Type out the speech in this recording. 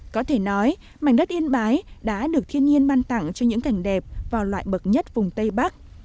có thể nói mảnh đất yên bái đã được thiên nhiên ban tặng cho những cảnh đẹp và loại bậc nhất vùng tây bắc